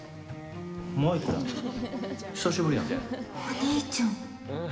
お兄ちゃん。